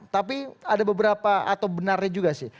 tapi ada beberapa atau benarnya juga sih